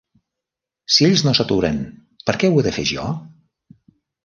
Si ells no s'aturen, per què ho he de fer jo?